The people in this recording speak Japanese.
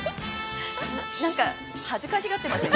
何か恥ずかしがってません？